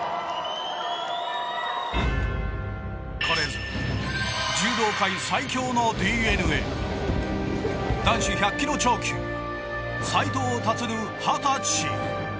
これぞ柔道界最強のＤｅＮＡ男子１００キロ超級斉藤立、２０歳。